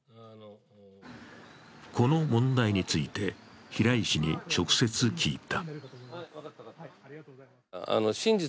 この問題について、平井氏に直接聞いた。